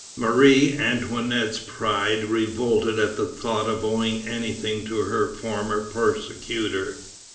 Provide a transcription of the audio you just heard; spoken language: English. Marie Antoinette's pride revolted at the thought of owing anything to her former persecutor.